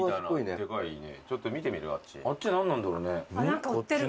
あっち何なんだろうね。